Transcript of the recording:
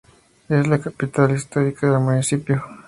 Es la capital histórica del municipio.